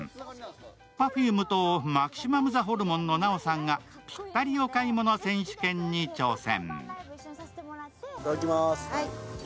Ｐｅｒｆｕｍｅとマキシマムザホルモンのナヲさんがぴったりお買い物選手権に挑戦。